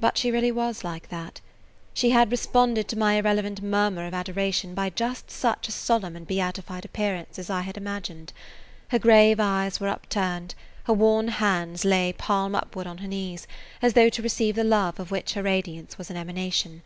But she really was like that. She had responded to my irrelevant murmur of adoration by just such a solemn and beatified appearance as I had imagined. Her grave eyes were upturned, her worn hands lay palm upward on her knees, as though to receive the love of which her [Page 91] radiance was an emanation.